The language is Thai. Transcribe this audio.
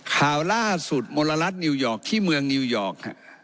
ข่าวล่าสุดมลรัฐนิวยอร์กที่เมืองนิวยอร์ก